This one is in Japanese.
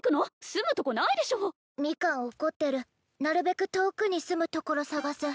住むとこないでしょミカン怒ってるなるべく遠くに住むところ探す